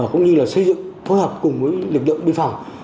cũng như là xây dựng phối hợp cùng với lực lượng biên phòng